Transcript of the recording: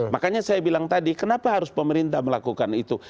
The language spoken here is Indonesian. makanya saya bilang tadi kenapa harus pemerintah melakukan itu